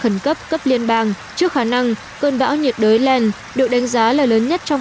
khẩn cấp cấp liên bang trước khả năng cơn bão nhiệt đới lên được đánh giá là lớn nhất trong